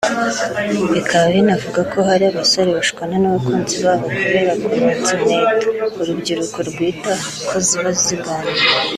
bikaba binavugwa ko hari abasore bashwana n’abakunzi babo kubera kunutsa inkweto ( urubyiruko rwita ko ziba ziganira)